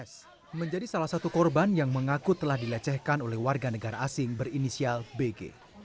s menjadi salah satu korban yang mengaku telah dilecehkan oleh warga negara asing berinisial bg